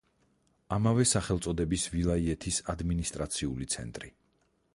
ამავე სახელწოდების ვილაიეთის ადმინისტრაციული ცენტრი.